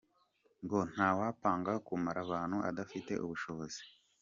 Ngo nta wapanga kumara abantu adafite ubushobozi.